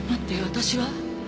私は？